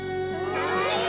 かわいい！